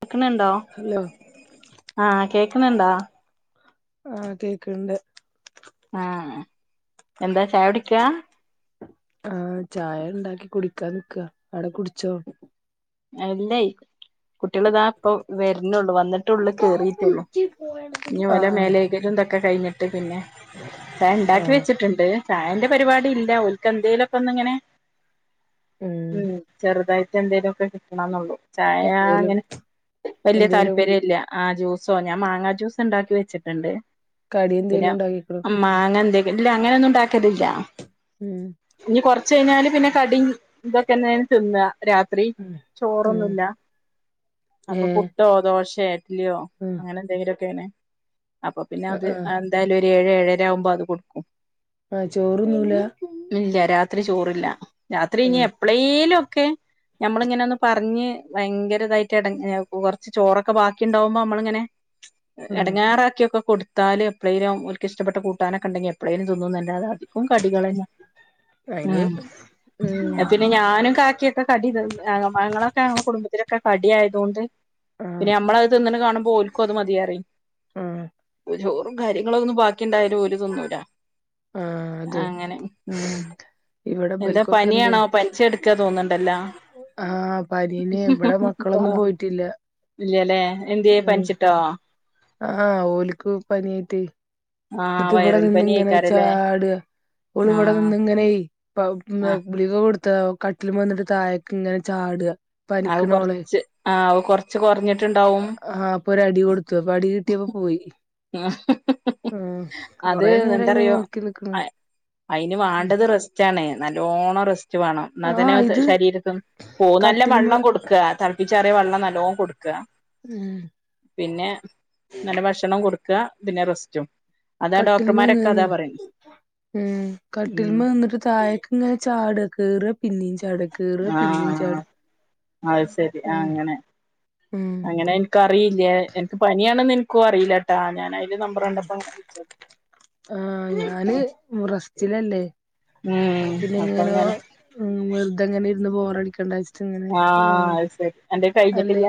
കേക്കുണുണ്ടോ hello ആഹ് കേക്കുണുണ്ടോ ആഹ് കേക്ക്ണ്ട് ആഹ് എന്താ ചായ കുടിക്കാ ആഹ് ചായ ഉണ്ടാക്കി കുടിക്കാൻ നിക്കാ അവിടെ കുടിച്ചോ എല്ലേ കുട്ടികള് ഇതാ ഇപ്പൊ വെരുന്നെള്ളു വന്നിട്ട് ട്ടുള്ളു കേറീട്ടുള്ളൂ ഇനി ഓലെ ആഹ് മേലയ്കലും ഇതൊക്കെ കയ്ഞ്ഞിട്ട് പിന്നെ ചായ്ണ്ടാക്കി ആഹ് വെച്ചിട്ടുണ്ട് ചായന്റെ പരിപാടി ഇല്ല ഓൽക്ക് എന്തേലൊക്കെ ഒന്നിങ്ങനെ ഉം ചെറുതായി എന്തേലൊക്കെ കിട്ടണാന്നൊള്ളൂ ചായ എന്തേലും അങ്ങനെ വല്യയ എന്തേലും താല്പര്യയില്ല ആ ജ്യൂസോ ഞാൻ മാങ്ങ ജ്യൂസ് ഉണ്ടാക്കി വെച്ച് ട്ട്ണ്ട് കടി പിന്നെ എന്തേലും ഉണ്ടാക്കിക്ക്ണോ മാങ്ങ എന്തെയ് പില്ല അങ്ങനെ ഒന്നും ഉണ്ടാക്കലില്ല ഉം ഇനി കൊറച്ച് കഴിഞ്ഞാല് പിന്നെ കടി ഇതൊക്കെ എന്നേ തിന്നാ രാത്രി ഉം ഉം ചോറോന്നില്ല അപ്പൊ ഏഹ് പുട്ടോ, ദോശെ, ഇഡലിയോ ഉം അങ്ങനെ എന്തേലും ക്കെണ് അപ്പൊ പിന്നെ ആഹ് അത് ആഹ് അതെന്തായാലും ഒര് ഏഴ് ഏഴരാവുമ്പോ അത് കൊടുക്കും ആഹ് ചോറൊന്നൂല ഇല്ല രാത്രി ചോറില്ല രാത്രി ഇനി ഏഹ് എപ്പളേലും ക്കെ ഞമ്മള് ഇങ്ങന പറഞ്ഞ് ഭയങ്കര ഇതായിട്ട് എടഞ്ഞ് കൊറച്ച് ചോറൊക്കെ ബാക്കി ഉണ്ടാവുമ്പോ നമ്മളിങ്ങനെ ആഹ് എടങ്ങാറാക്കിയൊക്കെ കൊടുത്ത് ത്താല് എപ്പളേലും ഓൽക്ക് ഇഷ്ടപ്പെട്ട കൂട്ടാനൊക്കെണ്ടങ്കി എപ്പളേലും തിന്നും ന്നല്ലാതെ അതാ ക്കും കടികളന്ന അയിന് ഉം ഉം പിന്നെ ഞാനും ക ഒക്കെ കടി ത് പഴങ്ങളൊക്കെ ഞങ്ങൾടെ കുടുംബത്തിലൊക്കെ കടി ആയതുകൊണ്ട് ആഹ് പിന്നെ നമ്മളത് തിന്ന്ണത് കാണുമ്പോ ഓൽക്കും അത് മതി അറിയും ആഹ് ഒരു കാര്യങ്ങളൊന്നും ബാക്കിണ്ടായാലും ഓല് തിന്നൂലാ ആഹ് അതെ അങ്ങനെ ഉം ഇവിടെ എന്താ ഇബൽക്കൊക്കെ ഇണ്ട് പനിയാണോ പനിച്ചെടുക്കാ തോന്നുണ്ടല്ലാ ആഹ് പനീന് ഇവിടെ മക്കളൊന്നും പോയിട്ടില്ല ഇല്ലാല്ലേ എന്തേയ് ഉം പനിച്ചിട്ടോ ആഹ് ഓലിക്കു പനിയായിട്ടേ ആ ന്നട്ട് വൈറൽ പനി ഇവിടനിന്നങ്ങനെ ആയിക്കാരല്ലേ ചാട് ആ ഒളുവടെ നിന്നങ്ങനെ ഇപ്പ മേ ആ ഗുളിക കൊടുതാ കട്ടില് മെന്നിട്ട് താഴേക്ക് ഇങ്ങനെ ചാട്ആ അത് പനിക്ക്ണോളെ കൊറച്ച് ആ അത് കൊറച്ച് കൊറഞ്ഞിട്ടുണ്ടാവും ആഹ് ഇപ്പൊ ഒരു അടി കൊടുത്തു അപ്പൊ അടി കിട്ടിയ പ്പപോയി [unintelligible] അത് നേരായി ഞാൻ എന്താറിയോ നോക്കി നിക്കണ് അയിന് വേണ്ടത് റെസ്റ്റാണേ നല്ലോണ്ണം റെസ്റ്റ് വേണം ആ എന്നാതന്നെ ഇത് ശരീരത്തും പോവു നല്ല കട്ടിൽമ വള്ളം കൊടുക്ക ത പ്പിച്ചാറിയ വള്ളം നല്ലോം കൊടുക്കാ ഉം പിന്നെ നല്ല ഭക്ഷണവും കൊടുക്കാ ക്കാ പിന്നെ റസ്റ്റും കട്ടില്മേന്ന് വീന്ന് ഉം ഉം കട്ടിൽമേ നിന്നിട്ട് തായേക്കിങ്ങനെ ചാടാ കേറും പിന്നേം ചാടു കേറുക പിന്നേം ആഹ് ചാടും അത് ശരി ആഹ് അങ്ങനെ ഉം അങ്ങനെ എൻക്കറിയില്ലേ എൻക്ക് പനിയാണെന്ന് എൻക്കും അറിയില്ലട്ടാ ഞാനെയ് ഉം ആ ഞാന് റസ്റ്റിലല്ല ഉം പിന്നെ അപ്പൊ എങ്ങനോ അങ്ങനെ വെറുതെങ്ങനെ ഇരുന്ന് ബോറടിക്കണ്ടാച്ച് ആഹ് അത്‌സെരി അന്റെ കഴിഞ്ഞിട്ടില്ല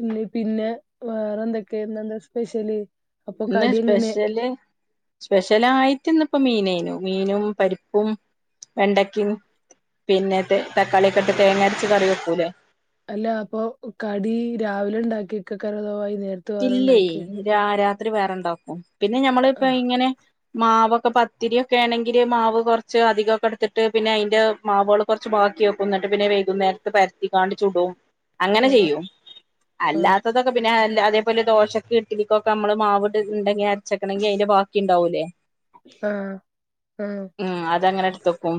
ഇന്ന് പിന്നെ വേറെ എന്തൊക്കെ ആയിരുന്നു ഇന്ന് സ്പെഷ്യല് അപ്പൊ ഇന്ന് കടി എങ്ങനെ സ്പെഷ്യല് സ്പെഷ്യലായിട്ട്ന്ന് ഇപ്പം മീനേനു മീനും പരിപ്പും വെണ്ടക്കിം പിന്നെ തെ തക്കാളൊക്കെ ഇട്ട് തേങ്ങ അര്ച്ച് കറി വെക്കൂലേ അല്ല അപ്പൊ കടി രാവിലെ ഉണ്ടാക്കിക്കാരോ അതോ വൈ ഇല്ലേ രാത്രി വേറെണ്ടാക്കും പിന്നെ ആ ഞമ്മള് ഇപ്പ ഇങ്ങനെ മാവൊക്കെ പത്തിരി ഒക്കെ ആണെങ്കിൽ മാവ് കൊർച്ച് അധികൊക്കെ ഇട്ത്ത്ട്ട് പിന്നെ അയിന്റെ മാവുകൾ കൊർച്ച് ബാ ക്കി വെക്കും പിന്നെ വൈകുന്നേരത്ത് പര്ത്തിങ്ങാണ്ട് ചുടും അങ്ങനെ ആ ചെയ്യൂ ആ അല്ലാത്തതൊക്കെ പിന്നെ അതല്ലാതെ ഇപ്പല്ലെ ദോശക്ക് ഇഡ്ലിക്കൊക്കെ അമ്മള് മാവിട്ട് ഇണ്ടെങ്കി അരച്ചക്കണെങ്കി അതിന്റെ ബാക്കി ഇണ്ടാവൂല്ലേ ആ ആ ഉം അതങ്ങന ഇട്ത്തെക്കും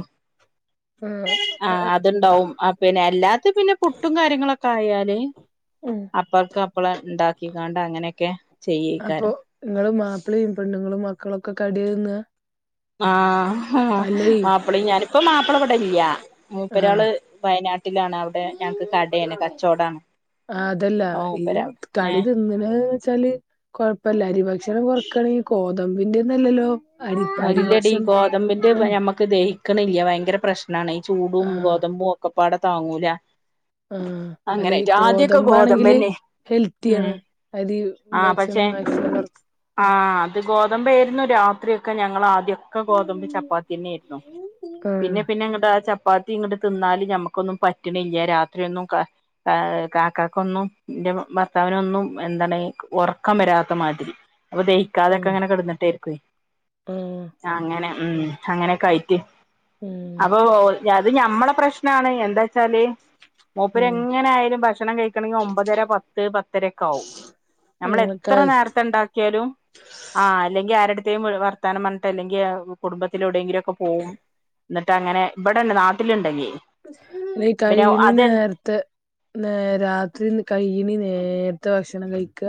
ആ ആ അത്ണ്ടാവും ആ പിന്നെ എല്ലാത്തെ പിന്നെ പുട്ടും കാര്യങ്ങളൊക്കെ ആയാൽ ഉം അപ്പള്ക്ക് അപ്പളെ ഇണ്ടാക്കിക്കാണ്ട് അങ്ങനക്കെ അപ്പൊ ചെയ്യേക്കാരം നിങ്ങള് മാപ്പിളയും പെണ്ണ്ങ്ങളും മക്കളൊക്കെ കട്യാ തിന്നാ ആ ആ മാപ്പിളിം ഞാനും ഇപ്പം മാപ്പിള ഇവിടെ ഇല്ല്യ ആ മൂപ്പരാള് വയനാട് അവിടെ ഞങ്ങക്ക് കടയാണ് കച്ചോടാണ് ആ അതല്ല ഓ ഈ മൂപ്പരാ കടി ഏഹ് തിന്ന്ണെ വെച്ചാല് കൊഴപ്പല്ല അരി ഭക്ഷണം കൊറ ക്കണം ഈ ഗോതമ്പിന്റെയൊന്നല്ലല്ലോ ഇല്ലടീ ഗോതമ്പിന്റെ ഞമ്മക്ക് ദഹിക്ക്ണില്ല ഭയങ്കര പ്രശ് ണാണ് ഈ ചൂടും ആ ഗോതമ്പും ഒക്കപ്പാടെ താങ്ങൂല ആഹ് അല്ല ഈ അങ്ങനെയായിട്ട് ആദ്യൊക്കെ ഗോതമ്പാണെങ്കില് ഗോതമ്പന്നെ ഹെൽത്തിയാണ് ഉം അതീ ഭക്ഷണം [unintelligible] ആ അത് ഗോതമ്പേരുന്നു രാത്രിയൊക്കെ ഞങ്ങളാദ്യം ഒക്കെ ഗോതമ്പ് ചപ്പാത്ത്യെന്നെ ആയിരുന്നു ആഹ് പിന്നെ പിന്നെ അങ്ങട്ട് ആ ച പ്പാത്തി ഇങ്ങട്ട് തിന്നാല് ഞമ്മക്കൊന്നും പറ്റ്ണില്ല രാത്രിയൊന്നും കാക്കാക്കൊന്നും ഇന്റെ ഭർത്താവിനൊന്നും എന്താണ് ഒറക്കം വരാത്ത മാതിരി അപ്പ ദഹിക്കാതെക്കെ ആഹ് ഇങ്ങനെ കെട്ന്നിട്ടായിരിക്കും ആഹ് അങ്ങനെ ഉം അങ്ങനെക്കായിറ്റ് ഉം അപ്പൊ അത് ഞമ്മളെ പ്രശ്നാണ് എന്താച്ചാല് മൂപ്പര് ഉം എങ്ങനെ ആയാലും ഭക്ഷ ഭക്ഷണം കഴിക്കണെങ്കിൽ ഒമ്പതര പത്ത് പ ത്തരൊക്കെ ആവും ഉം നമ്മളെത്ര കഴി നേരത്തെ ഇണ്ടാക്കിയാലും ആ അല്ലെങ്കിൽ ആരട് ത്തേം പോയി വർത്താനം പറഞ്ഞിട്ട് അല്ലെങ്കി ആ കുടുംബത്തില് എവിടേങ്കിലൊക്കെ പോവും ന്നിട്ട് അങ്ങനെ ഇവിടണ്ട് നാട്ടില്ണ്ടെങ്കിൽ കഴിയിണിം നേരത്തെ നേ രാത്രി കഴിയിണിം ഏതസ്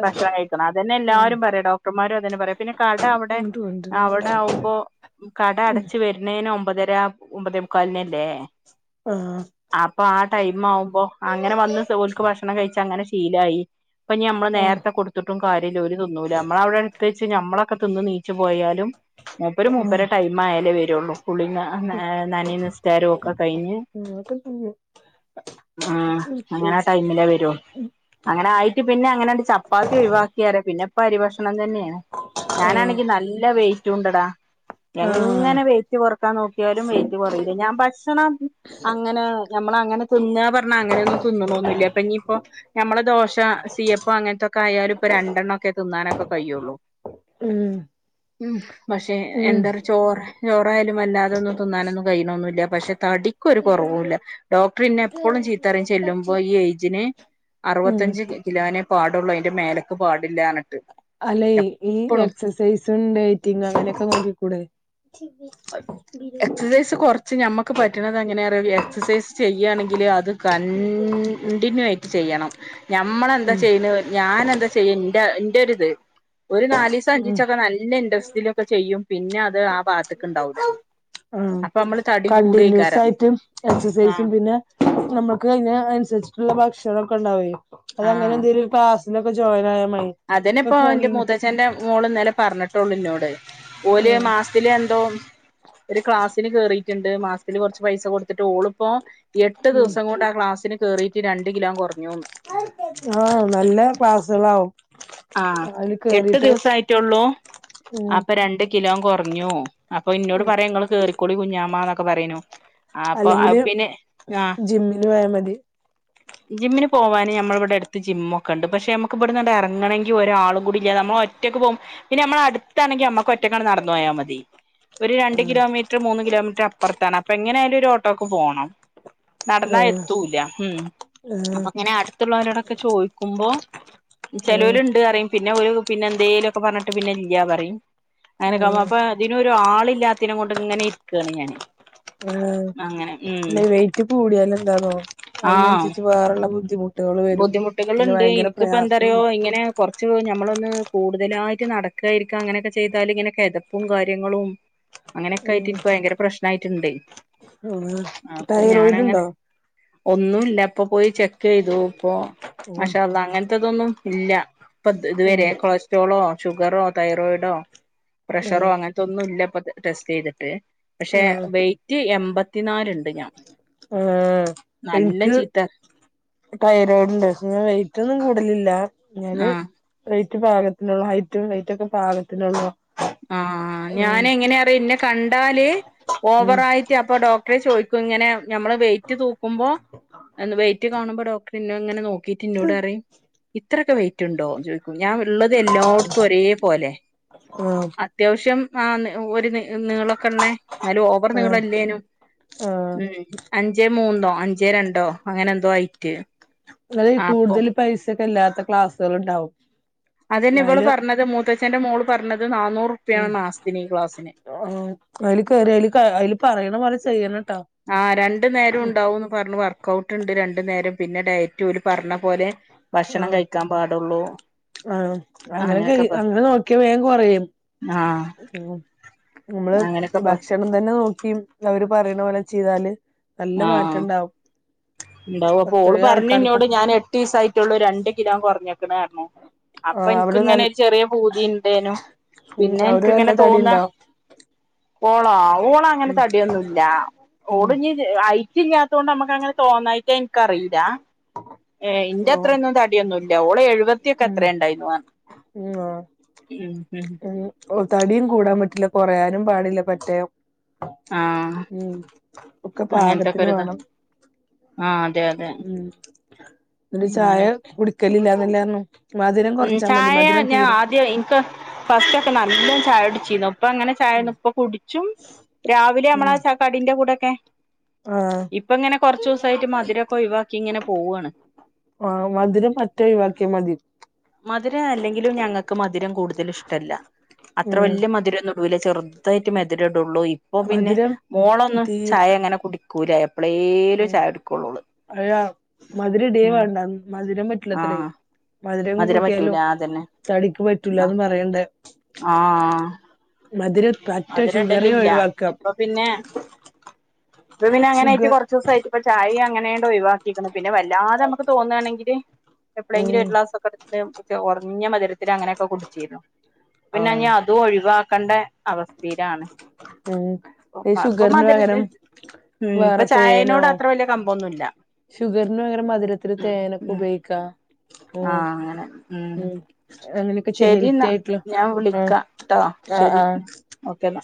ഭക്ഷണം കഴിക്കണം അതന്നെ എല്ലാരും പറയാ ഡോക്ടർമാരും അതന്നെ പറയാ പിന്നെ കട അവ്ടെ ഇങ്ങട്ട് കൊണ്ടരണുണ്ട അവടെ ആവുമ്പോ കട അടച്ച് വരുന്നേന്നെ ഒമ്പതര ഒമ്പതെ മുക്കാലിനല്ലേ ആഹ് അപ്പൊ ആ ടൈം ആവുമ്പോ അങ്ങനെ വന്ന്ട്ടോൽക്ക് ഭക്ഷണം കഴിച്ച് അങ്ങനെ ശീലായി ഇപ്പം ഇഞ്ഞ് ഞമ്മള് ആഹ് നേരത്തെ കൊടുത്തിട്ടും കാര്യല്ല ഓല് തിന്നുല നമ്മളവ്ടെ എട്ത്ത് വെച്ച് ഞമ്മളൊക്കെ തിന്ന് നീച്ച് പോയാലും മൂപ്പര് ആഹ് മൂപ്പരെ ടൈമായാലേ വരൊള്ളൂ കുളിം നനിം നിസ്ക്കാരവും ഒക്ക കഴിഞ്ഞ് അതൊക്കെ തന്നെ ആ അങ്ങനെ ആ പ്രത്യേകിച്ച് ടൈമിലെ വരൂ അങ്ങനെ ആയി പിന്നെ അങ്ങനാണ്ട് ചപ്പാത്തി ഒഴിവാക്കി പറയാ പിന്നെ ഇപ്പം അരിഭക്ഷണം തന്നേണ് ആഹ് ഞാനാണെങ്കി നല്ല വെയിറ്റുണ്ടെടാ ആഹ് എങ്ങനെ വെയിറ്റ് കൊറ ക്കാൻ നോക്കിയാലും വെയിറ്റ് കൊറയില്ല ഞാൻ ഭക്ഷണം അങ്ങനെ ഞമ്മളങ്ങനെ തിന്നാ പറഞ്ഞ അങ്ങനെയൊന്നും തിന്ന്ണൊന്നുല്ല്യ ഇപ്പ ഇഞ്ഞിപ്പൊ ഞമ്മളെ ദോശ സി എഫ് ഒക്കായാലും ഇപ്പൊ രണ്ടെണ്ണം ഒക്കെ തിന്നാനൊക്കെ കയ്യൊള്ളൂ ഉം ഉം പക്ഷെ ഉം എന്താറ്യോ ചോറ് ചോറായാലും വല്ലാതൊന്നും തിന്നാനൊന്നും കഴിയിണൊന്നുല്ല്യ പക്ഷെ തടിക്കും ഒരു കുറവുല്ല ഡോക്ടർ ഇന്നെ എപ്പോഴും ചീത്തറി ചെല്ലുമ്പോ ഈ ഏജിന്..... ഉം അറുപത്തഞ്ച് കിലോ..... ള്ള അയ്‌ന്റെ മേലക്ക് പോ അല്ലെ ഈ എക്സസൈസും ഡയറ്റിങ്ങും അങ്ങനെയൊക്കെ നോക്കിക്കൂടെ..., ആ... എക്സസൈസ് കൊർച്ച് ഞമ്മക്ക് പറ്റ്ണതെങ്ങനെ അറിയോ എക്സസൈസ് ചെയ്യുകയാണെങ്കിൽ അത് കൺ ണ്ടിനു ആയിട്ട് ചെയ്യണം നമ്മളെന്താ ഉം ചെയ്യ്ണ് ഞാനെന്താ ചെയ്യ് ന്റെ ന്റെ ഒരു നാലീസം ഉം അഞ്ചീച്ചൊക്കെ നല്ല ഇൻട്രെസ്റ്റിലൊക്കെ ചെയ്യും പിന്നെ അത് ആ ഭാത്ത് ആ തടി കൂടേക്കാരം കണ്ടിന്യൂസായിട്ടും എക്സസൈസും ആഹ് പിന്നെ നമ്മുക്ക് അതിന അനുസരിച്ചിട്ടുള്ള ഭക്ഷ ണൊക്കെ ണ്ടാവൊയ് ആഹ് അങ്ങനെന്തെങ്കലു ക്ലാസ്സിലൊക്കെ ജോയിൻ ആയാ മതി ഇപ്പൊ അതന്നെപ്പോ ന്റെ ഫോണിൽന്ന് മുതച്ഛന്റെ മോള് ഇന്നലെ പറഞ്ഞി ട്ടൊള്ളു ന്നോട് ഓല് ആഹ് മാസത്തിലെന്തോ ഒരു ക്ലാസ്സിന് കേറീ റ്റ്ണ്ട് മാസത്തില് കൊർച്ച് പൈസ കൊടുത്തിട്ട് ഓളിപ്പോ എട്ട് ഉം ദിവസം കൊണ്ട് ആ ക്ലാസിന് കേറീറ്റ് രണ്ട് കിലോ കുറഞ്ഞൂന്ന് ആ നല്ല ക്ലാസ്സ്‌കളാവും ആ എട്ട് ദിവസായിട്ടുള്ളു ഉം അപ്പൊ രണ്ട് കിലോം കുറഞ്ഞു അപ്പൊ ഇന്നോട് ഉം പറയാ ങ്ങള് കേറി ക്കോളി കുഞ്ഞാമ്മാന്നൊക്കെ പറിയേന്നു ആ അപ്പൊ അല്ലെങ്കില് അത്‌ പിന്നെ ആ ജിമ്മിന് പോയാ മതി ജിമ്മിന് പോവാന് ഞമ്മളവിടെ അടുത്ത് ജിമ്മൊക്കെണ്ട് പക്ഷേ നമുക്ക് ഇവിടന്ന്ണ്ട് എറങ്ങണെ ങ്കി ഒരാളും കൂടി ഇല്ല്യാതെ നമ്മള് ഒറ്റയ്ക്ക് പോകും പിന്നെ നമ്മളെ അടുത്താണെങ്കി നമ്മുക്ക് ഒറ്റക്ക നടന്നു പോയാൽ മതി ഒരു രണ്ട് ആഹ് കിലോമീറ്റർ മൂന്ന് കിലോമീറ്റർ അപ്പൊർത്താണ് അപ്പൊ എങ്ങനെ ആയാലും ഒരു ഓട്ടോക്ക് പോകണം. നടന്നാ ആഹ് എത്തൂല്ല ഉം ആഹ് അപ്പൊ ഇങ്ങനെ അടുത്തുള്ളോരോ ടൊക്കെ ചോയ്ക്കുമ്പോ ആഹ് ചെലോല്ണ്ട് ണ്ട് പറിം പിന്നെ ഒരു പിന്നെ എന്തേലും ഒക്കെ പറഞ്ഞിട്ട് പിന്നെ ഇല്ലാ പറയും. അങ്ങനെക്കേ ആഹ് അപ്പൊ ഇതിനൊരു ആളില്ലാത്തിനെ കൊണ്ട് ഇങ്ങനെ ഇരിക്കാണ് ഞാന്. ആ അങ്ങനെ ഉം പിന്നെ വെയിറ്റ് കൂടിയാലെന്താന്നോ ആഹ് അതിനനുസരിച്ച് വേറള്ള ബുദ്ധി ബുദ്ധിമുട്ടുകളുണ്ട് പ്രയാസം ഇൻക്കിപ്പന്താറിയ്യോ ഇങ്ങനെ കൊർച്ച് ക നമ്മളൊന്ന് കൂടുതലായിട്ട് നടക്കാ ഇരിക്കാ അങ്ങനെയൊക്കെ ചെയ്തല് ഇങ്ങനെ കെതപ്പും കാര്യങ്ങളും. അങ്ങനെയൊക്കെ ആയിട്ട് ഉം ഇൻക്ക് ഭയങ്കര പ്രശ്നായ്റ്റ്ണ്ട്. ഉം അപ്പൊ തൈറോയിഡ് ഞാനങ്ങനെ ഉണ്ടോ ഒന്നുല്ല. ഇപ്പൊ പോയി ചെക്ക് ചെയ്തു ഇപ്പൊ ഉം മാഷാഅല്ലാഹ് അങ്ങൻത്തെതൊന്നും ഇല്ല. ഇപ്പ ഉം ഇതുവരെ കൊളസ്ട്രോളോ ഷുഗറോ തൈറോയിഡോ ഉം പ്രഷറോ അങ്ങനത്തെൊന്നും ഇല്ലപ്പൊ ടെസ്റ്റ് ചെയ്തിട്ട് പക്ഷേ വെയിറ്റ് എമ്പ ആ നല്ല ഇൻക്ക് ചീത്ത തൈറോ ണ്ട് പക്ഷേ ഞാൻ വെയിറ്റൊന്നും കൂടലില്ലാ ഞാന് ആഹ് വെയ് റ്റ് പാകത്തിനൊള്ളു ഹൈറ്റും വെയ്റ്റൊക്കെ പാകത്തിനൊള്ളു ആ ആ ഞാന് എങ്ങനെ അറിയോ ഇന്നെ കണ്ടാല് ഉം ഓവരായിട്ട് അപ്പൊ ഡോക്ടറ് ചോദി ക്കും ഇങ്ങനെ നമ്മള് വെയിറ്റ് തൂക്കുമ്പോ വെയിറ്റ് കാണുമ്പോ ഡോക്ടറ് ഇന്നെ ഇങ്ങനെ നോ ക്കീട്ട് ഇന്നോട്പറിം ഇത്രയൊക്കെ വെയിറ്റ്ണ്ടോ ചോയ് ക്കും ഞാൻള്ളത് എല്ലായിടത്തും ഒരേ പോലെ ആഹ് അത്യാവശ്യം ആ ഒരു മി നീളൊക്കെള്ളെ എന്നാലും ഓവർ ആഹ് നിങ്ങളല്ലേനും. ആഹ് ഉം അഞ്ചേമൂന്നോ അഞ്ചേരണ്ടോ അങ്ങനെ എന്തോ അയ്. അത് ഈ കൂടുതൽ പൈസൊക്കെ ഇല്ലാത്ത ക്ലാസ്സുകള്ണ്ടാവും അതന്നെ ഇവള് പർഞ്ഞത് മൂത്തച്ഛന്റെ മോള് പർഞ്ഞത്. ഉം ആ അതില് കേറി അയ്ല് അതില് പറയ്ണ പോല ചെയ്യണം. ആ രണ്ടു നേരം ഉണ്ടാവുംന്ന് പറഞ്ഞു വർ വക്ക് ഔട്ട്ണ്ട് രണ്ടു നേരം പിന്നെ ഡയറ്റ് പറഞ്ഞ പോലെ ഭക്ഷണം കഴിക്കാൻ പാടുള്ളൂ. ആ അങ്ങനെ ക അങ്ങനെയൊക്കെ പറ അങ്ങനെ നോക്കിയ വേം കൊറയും. ആഹ് ഉം.. മ്മള് അങ്ങനെയൊക്കെ പറ ഭക്ഷണം തന്നെ നോക്കി. അവര് പറിണപോലെ ചെയ്താല്. നല്ല ആ ആ മാറ്റം ഉണ്ടാവും ഇണ്ടാവും അപ്പൊ ഓള് എത്രയോ ആൾക്കാർക്കും പറഞ്ഞ്ന്നോട് ഞാൻ എട്ടീസായിട്ടൊള്ളൂ രണ്ട് ണ്ട് കിലോ കൊർഞ്ഞ്ക്ണ് പർഞ്ഞു. അപ്പൊ ആഹ് അവര് ഇൻകുംങ്ങനെ നല്ല ഒരു ചെറിയ പൂതി ഇണ്ടേയ്നു ഉം പിന്നെ അവര് എൻക്ക് നല്ല ഇങ്ങനെ തടി തോന്ന. ഉണ്ടാവും ഓളൊ? ഓള അങ്ങനെ ഉം തടിയൊന്നുംല്ലാ. ഉം ഓളിഞ്ഞ്. ഐറ്റില്ല്യാതോണ്ട് നമ്മക്കങ്ങനെ തോന്നായിട്ട ഇൻക്കറില്ല. ഏ ഇന്റെ ആഹ് അത്രന്നും തടിയൊന്നുംല്ല. ഓൾ എഴുവത്തിയൊക്കെ ഉം എത്ര ഇണ്ടായിരുന്നു അ ഉം. ആ ഉം. തടിയും കൂടാൻ പറ്റില്ല. കൊറയാ ഉം പാടില്ല [unintelligible] [unintelligible] കം ആഹ് ഉം. ഒക്കെ അങ്ങനത്തൊക്കെ പാകത്തിന് ഒരിതാ വേണം. ആ അതെ അതെ ഉം.. ന്നട്ട് ചായ അങ്ങനെ കുടിക്കലില്ല എന്നന്നേർഞ്ഞു. ഉം.. ചായ ഞാൻ ആദ്യം ഇൻക്ക് ഫസ്റ്റൊക്കെ [inaudible] ചായ കുടുച്ചീന്നു. ഇപ്പ അങ്ങനെ ചായ ഉം ഇപ്പൊ കുടിച്ചും. രാവിലെ നമ്മളാ ച കടിന്റെ കൂടൊക്കെ. ആഹ് ഇപ്പങ്ങനെ കൊർച്ചൂസായിട്ട് മധുരൊക്കെ ഒഴ് വാക്കിങ്ങനെ പോവാണ്. ആ, മധുരം പറ്റെ ഒയിവാക്കിയ മതി. മധുരം അല്ലെങ്കിലും ഞങ്ങക്ക് മധുരം കൂടുതലും ഇഷ്ട്ടല്ല. അത്ര ഉം വല്യ മധുര ടൂല ചെറുതായിട്ടും മെധിരം ഇടുള്ളൂ. ഇപ്പൊ പിന്നെ മധുരം മോളൊന്നു തീരെ ചായ അങ്ങനെ കുടിക്കൂല. എ ഉം. [unintelligible] മധുരം ഇടെ ഉം വേണ്ട മധുരം ആ പറ്റില്ലത്ര. മധുരം പറ്റൂല കൂട്ടിയാലും അതന്നെ തടിക്ക് ആ പറ്റൂലാന്ന് പറയണ്ടെ. ആ മധുരം പറ്റ മധുരം ഷുഗറെ ഇടലില്ല ഒഴിവാക്കാം. ഇപ്പ പിന്നെ അങ്ങനെ ആയിട്ട് ഷുഗർ കൊർചൂസായിട്ട് ഇപ്പൊ ചായിം അങ്ങനേണ്ട് ഒയി വാക്കീക്ക്ണ്. പിന്നെ വല്ലാതെ അമ്മക്ക് തോന്നാണെങ്കില് എപ്പളേൻകിലും ഉം ഒരു ക്‌ളാസൊക്കെ. [unintelligible] ഉറഞ്ഞ മധുരത്തിന് അങ്ങനെയൊക്കെ കുടിച്ചീരുന്നു. പിന്നെഞ്ഞ് ആഹ് അതും ഒഴിവാ കണ്ട അവസ്ഥീലാണ്. ഉം ഈ ഇപ്പൊ ഷുഗറിന് മധുരത്ത. പകരം ഉം.. ഇപ്പ വേറെ ചായേനോട് അത്ര വലിയ കമ്പൊന്നുല്ല. ഷുഗർന് പകരം മധുരത്തിന് ഉം തേനൊക്കെ ഉം ഉപയോഗിക്കാ. ഉം ആഹ്, അങ്ങനെ. ഉം. അങ്ങനെയൊക്കെ ച്ചെ ശരി ഹെൽത്തി എന്നാ ആയിട്ടുള്ള ഞാൻ ആ വിളിക്കാട്ടോ ആ ശരി ആ ഓക്കേന്നാ